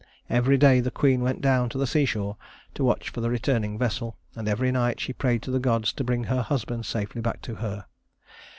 Every day the queen went down to the seashore to watch for the returning vessel, and every night she prayed to the gods to bring her husband safely back to her.